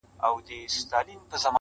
هغه دي مړه سي زموږ نه دي په كار,